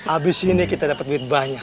abis ini kita dapat duit banyak